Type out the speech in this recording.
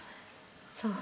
そう。